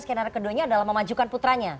skenario keduanya adalah memajukan putranya